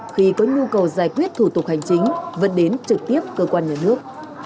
khi có nhu cầu giải quyết thủ tục hành chính vẫn đến trực tiếp cơ quan nhà nước